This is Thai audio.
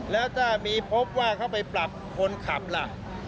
แล้วถ้ามีพบว่าเขาไปปรับคนขับล่ะ